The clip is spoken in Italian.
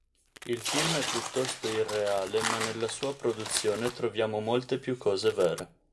Il film è piuttosto irreale ma nella sua produzione troviamo molte più cose vere.